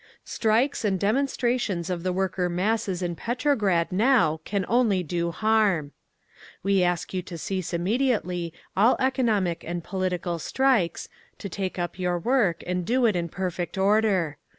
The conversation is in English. "STRIKES AND DEMONSTRATIONS OF THE WORKER MASSES IN PETROGRAD NOW CAN ONLY DO HARM. "We ask you to cease immediately all economic and political strikes, to take up your work, and do it in perfect order.